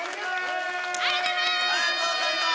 ありがとうございます。